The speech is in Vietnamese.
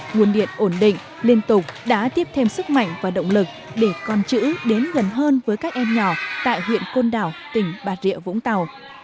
nguồn điện ổn định liên tục đã tiếp thêm sức mạnh và động lực để con chữ đến gần hơn với các em nhỏ tại huyện côn đảo tỉnh bà rịa vũng tàu